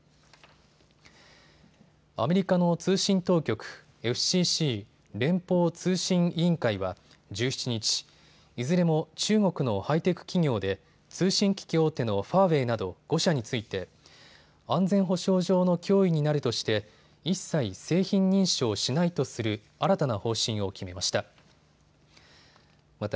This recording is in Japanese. アメリカの通信当局、ＦＣＣ・連邦通信委員会は１７日、いずれも中国のハイテク企業で通信機器大手のファーウェイなど５社について安全保障上の脅威になるとして一切、製品認証しないとする新たな方針を決めました。